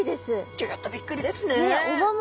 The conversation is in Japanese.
ギョギョッとびっくりですね。